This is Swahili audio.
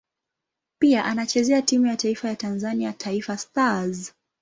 Pia anachezea timu ya taifa ya Tanzania Taifa Stars.